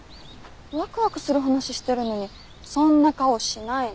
ワクワクする話してるのにそんな顔しないの。